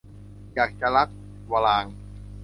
อยากจะรัก - วรางค์